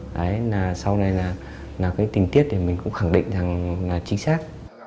đấy là sau này là cái tình tiết thì mình cũng khẳng định rằng là chính xác